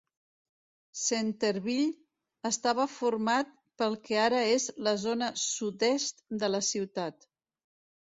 Centerville estava format pel que ara és la zona sud-est de la ciutat.